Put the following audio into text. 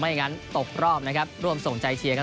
อย่างนั้นตกรอบนะครับร่วมส่งใจเชียร์กัน